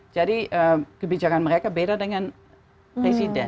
jadi kebijakan mereka beda dengan presiden